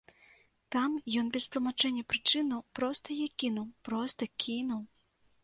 Там ён без тлумачэння прычынаў проста яе кінуў, проста кінуў!